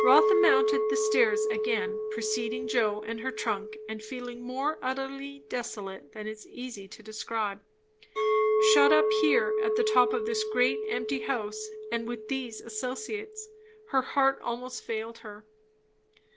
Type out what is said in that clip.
Rotha mounted the stairs again, preceding Joe and her trunk, and feeling more utterly desolate than it is easy to describe. Shut up here, at the top of this great empty house, and with these associates! Her heart almost failed her.